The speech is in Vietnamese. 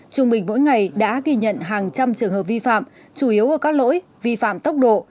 trung bình mỗi ngày đã ghi nhận hàng trăm trường hợp vi phạm chủ yếu ở các lỗi vi phạm tốc độ